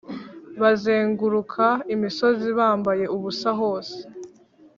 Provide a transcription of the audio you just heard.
bazenguruka imisozi bambaye ubusa hose